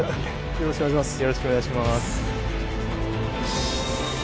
よろしくお願いします。